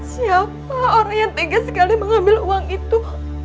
siapa orang yang ingin sekali mengambil uang itu